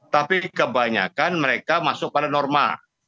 tapi kebanyakan mereka masuk pada norma